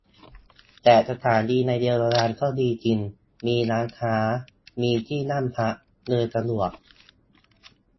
แต่สถานีในเยอรมนีก็ดีจริง มีร้านค้า มีที่นั่งพัก เดินสะดวก